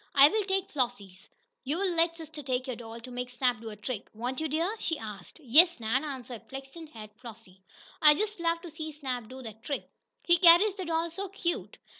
"I'll take Flossie's. You'll let sister take your doll to make Snap do a trick, won't you, dear?" she asked. "Yes, Nan," answered flaxen haired Flossie. "I just love to see Snap do that trick! He carries the doll so cute!"